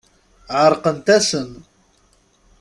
Ɛerqent-asen.